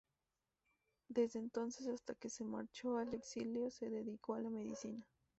Desde entonces hasta que se marchó al exilio se dedicó a la medicina.